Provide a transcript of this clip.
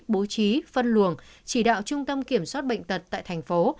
bố trí phân luồng chỉ đạo trung tâm kiểm soát bệnh tật tại thành phố